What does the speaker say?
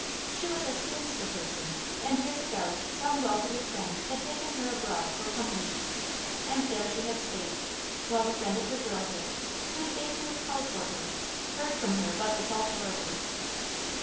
She was a "spinster person" and years ago some well to do friend had taken her abroad for company. And there she had stayed; while the friend of her girlhood, whose baby was called for her, heard from her but desultorily.